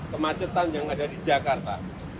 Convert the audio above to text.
kemacetan yang ada di jakarta